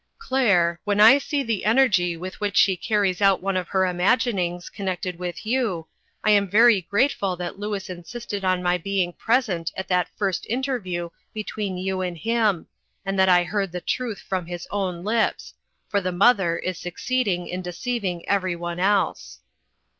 "Claire, when I see the energy with which she carries out one of her imaginings, connected with you, I am very grateful that Louis insisted on my being present at that first interview between you and him, and that I heard the truth from his own lips, for the mother is succeeding in deceiving every one else."